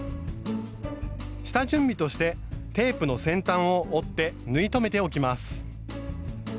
下準備としてテープの先端を折って縫い留めておきます。